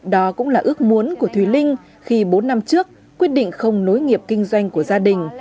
đó cũng là ước muốn của thùy linh khi bốn năm trước quyết định không nối nghiệp kinh doanh của gia đình